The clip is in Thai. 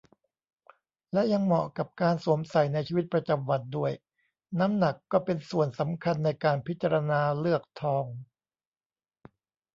และยังเหมาะกับการสวมใส่ในชีวิตประจำวันด้วย น้ำหนักก็เป็นส่วนสำคัญในการพิจารณาเลือกทอง